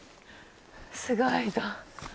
すごいぞ。